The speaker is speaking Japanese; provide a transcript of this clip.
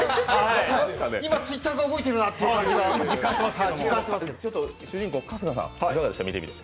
今Ｔｗｉｔｔｅｒが動いているなっていう感じがしてます。